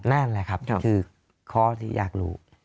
นั่นแหละครับคือข้อที่อยากรู้